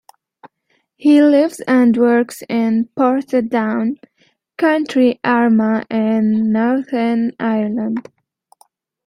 He lives and works in Portadown, County Armagh in Northern Ireland.